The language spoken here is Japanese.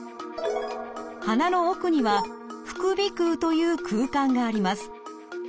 鼻の奥には副鼻腔という空間があります。